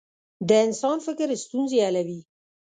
د انسان فکر ستونزې حلوي.